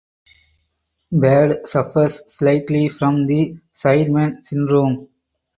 Bad" "suffers slightly from the sideman syndrome.